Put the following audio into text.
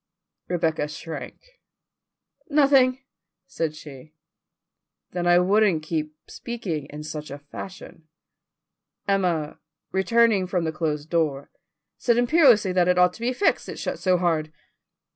Rebecca shrank. "Nothing," said she. "Then I wouldn't keep speaking in such a fashion." Emma, returning from the closed door, said imperiously that it ought to be fixed, it shut so hard.